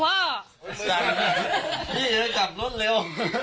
พี่เหนือจับรถเร็ว